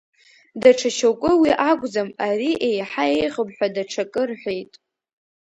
Даҽа шьоукы уи акәӡам, ари еиҳа еиӷьуп ҳәа даҽакы рҳәеит.